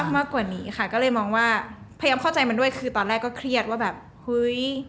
มากกว่านี้ก็อาจจะออกมากกว่านี้ค่ะคือตอนแรกก็เครียดว่าเห้ย